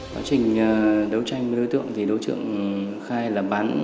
nói trình đấu tranh với đối tượng thì đối tượng khai là bắn